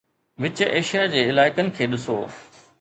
وچ Asia جي علائقن کي ڏسو